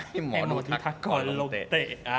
ให้หมอรันโหลตะ